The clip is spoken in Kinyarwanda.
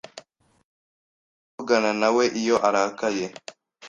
Nta kuvugana nawe iyo arakaye